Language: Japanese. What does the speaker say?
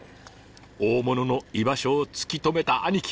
大物の居場所を突き止めた兄貴。